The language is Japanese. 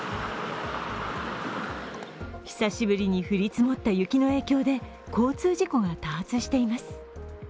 久しぶりに降り積もった雪の影響で交通事故が多発しています。